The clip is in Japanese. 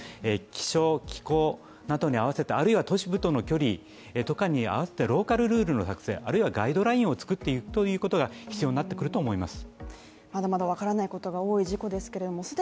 気象、気候などにあわせてあるいは都市部との距離とかに合わせてローカルルールの作成、あるいはガイドラインを作っていくことが必要になっていくと思います。